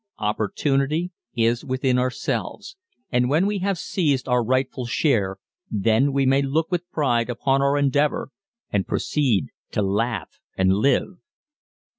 Opportunity is within ourselves and when we have seized our rightful share, then we may look with pride upon our endeavor and proceed to laugh and live!